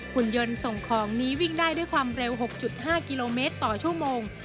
คุณยนต์ส่งของนี้วิ่งได้ด้วยความเร็ว๖๕กิโลเมตรต่อชั่วโมง